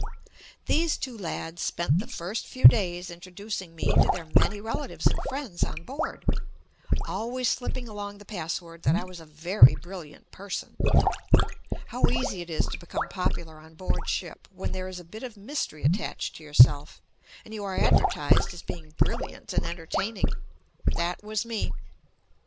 These two lads spent the first few days in troducing me to their many relatives and friends on board, always slipping along the password that I was a very brilliant person. How easy it is to become popular on board ship when there is a bit of mystery attached to yourself and you are advertised as being brilliant and entertaining. That was me.